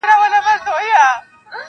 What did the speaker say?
باران دي وي سیلۍ دي نه وي-